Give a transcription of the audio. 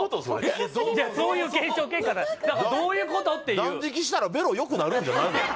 それそういう検証結果だっただからどういうこと？っていう断食したらベロよくなるんじゃないの？